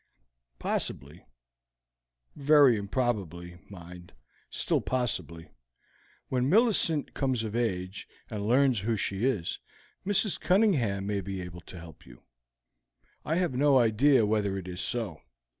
"Possibly very improbably, mind, still possibly when Millicent comes of age and learns who she is, Mrs. Cunningham may be able to help you. I have no idea whether it is so.